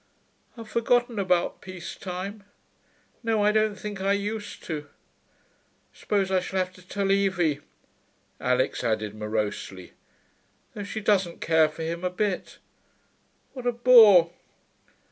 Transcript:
'I've forgotten about peace time.... No, I don't think I used to.... Suppose I shall have to tell Evie,' Alix added morosely. 'Though she doesn't care for him, a bit.... What a bore....